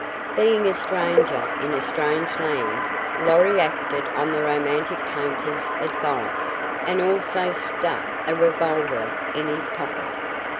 Being a stranger in a strange land, Lorry acted on the romantic painter's advice and also stuck a revolver in his pocket.